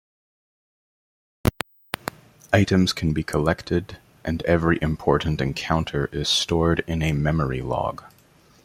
Items can be collected and every important encounter is stored in a memory log.